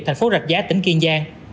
thành phố rạch giá tỉnh kiên giang